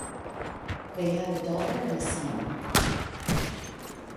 They have a daughter and son.